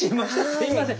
すいません。